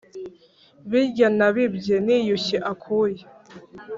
birya nabibye niyushye akuya.